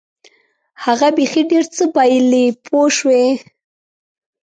هغه بیخي ډېر څه بایلي پوه شوې!.